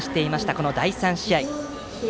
この第３試合。